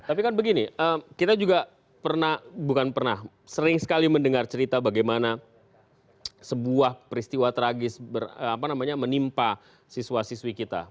tapi kan begini kita juga pernah bukan pernah sering sekali mendengar cerita bagaimana sebuah peristiwa tragis menimpa siswa siswi kita